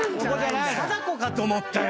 貞子かと思ったよ。